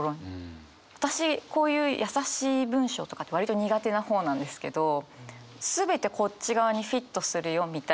私こういう優しい文章とかって割と苦手な方なんですけど全てこっち側にフィットするよみたいな。